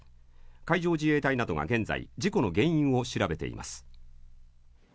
海上自衛隊などが現在、事故の原因を調べています。